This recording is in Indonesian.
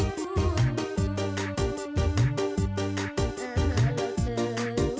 kekiri engkau marah